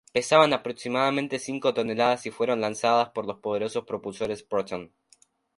Pesaban aproximadamente cinco toneladas y fueron lanzadas por los poderosos propulsores Proton.